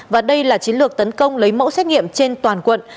và đây là chiến lược tấn công lấy mẫu xét nghiệm trên toàn quận